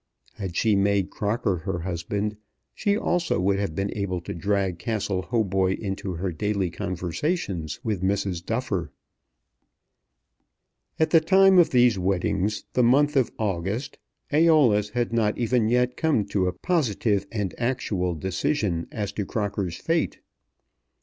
Had she made Crocker her husband she also would have been able to drag Castle Hautboy into her daily conversations with Mrs. Duffer. At the time of these weddings, the month of August, Æolus had not even yet come to a positive and actual decision as to Crocker's fate.